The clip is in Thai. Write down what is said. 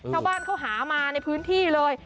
ชาวบ้านเขาหามาในพื้นที่เลย